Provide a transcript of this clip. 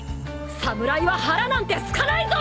侍は腹なんてすかないぞ！